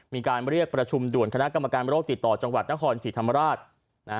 มีการเรียกประชุมด่วนคณะกรรมการโรคติดต่อจังหวัดนครศรีธรรมราช